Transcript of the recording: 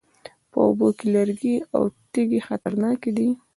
په اوبو کې لرګي او تیږې خطرناکې دي